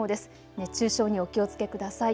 熱中症にお気をつけください。